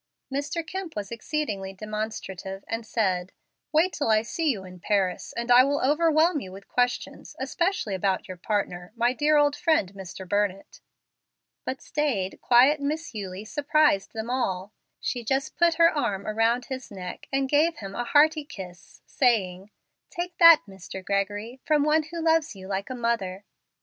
Mr. Kemp was exceedingly demonstrative, and said, "Wait till I see you in Paris, and I will overwhelm you with questions, especially about your partner, my dear old friend, Mr. Burnett." But staid, quiet Miss Eulie surprised them all. She just put her arms about his neck, and gave him a hearty kiss, saying, "Take that, Mr. Gregory, from one who loves you like a mother."